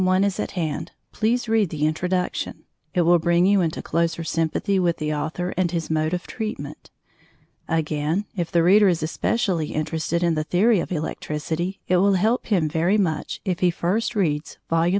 I is at hand, please read the Introduction. It will bring you into closer sympathy with the author and his mode of treatment. Again, if the reader is especially interested in the theory of Electricity it will help him very much if he first reads Vols.